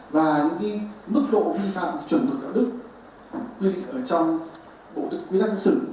và những mức độ vi phạm chuẩn thực ở đức quy định ở trong bộ thủy thông xử